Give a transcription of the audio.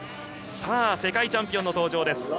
世界チャンピオンの登場です。